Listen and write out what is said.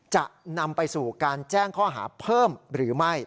จะนำไปสู่การแจ้งข้อหาเพิ่มหรือไม่